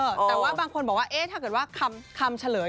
แต่ว่าบางคนบอกว่าเอ๊ะถ้าเกิดว่าคำเฉลย